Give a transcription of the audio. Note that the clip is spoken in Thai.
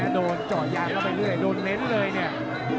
โดนเจาะยางเข้าไปเรื่อยโดนเน้นเลยเนี่ย